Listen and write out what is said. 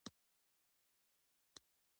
ما ورته درواغ وویل: زما خبره ومنه، ما ویلي نه دي.